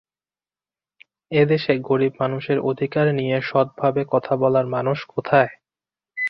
এ দেশে গরিব মানুষের অধিকার নিয়ে সৎভাবে কথা বলার মানুষ কোথায়?